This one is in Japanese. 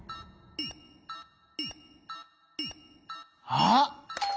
あっ！